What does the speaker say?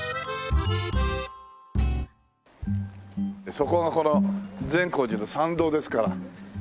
そこがこの善光寺の参道ですからこれが。